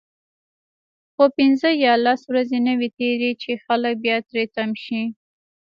خو پنځه یا لس ورځې نه وي تیرې چې خلک بیا تری تم شي.